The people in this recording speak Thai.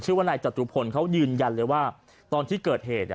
ว่านายจตุพลเขายืนยันเลยว่าตอนที่เกิดเหตุ